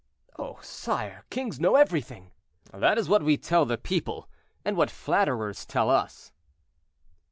"Oh, sire, kings know everything." "That is what we tell the people, and what flatterers tell us."